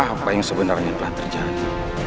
apa yang sebenarnya telah terjadi